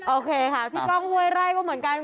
โอเคค่ะพี่ก้องห้วยไร่ก็เหมือนกัน